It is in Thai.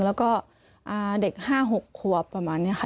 แล้วก็เด็ก๕๖ขวบประมาณนี้ค่ะ